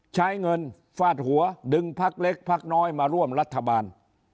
ใช้เงินฟาดหัวดึงพักเล็กพักน้อยมาร่วมรัฐบาล